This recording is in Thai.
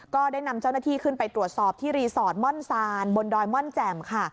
ก็ได้นำเจ้าหน้าที่ขึ้นไปตรวจสอบที่รีสอร์ทม่อนซานบนดอยม่อนแจ่มค่ะ